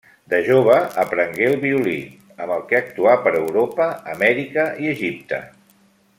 De jove aprengué el violí, amb el que actuà per Europa, Amèrica i Egipte.